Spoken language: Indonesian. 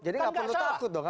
jadi tidak perlu takut dong